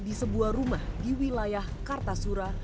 di sebuah rumah di wilayah kartasura